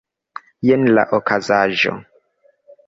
Jen la okazaĵo.